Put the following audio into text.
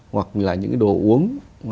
hoặc là những đồ uống